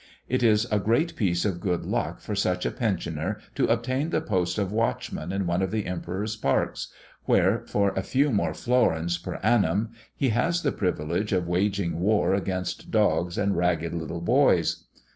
It is a great piece of good luck for such a pensioner to obtain the post of watchman in one of the Emperor's parks, where, for a few more florins per annum, he has the privilege of waging war against dogs and ragged little boys.